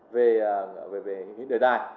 về những cái đời dài